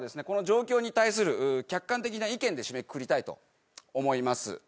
この状況に対する客観的な意見で締めくくりたいと思います。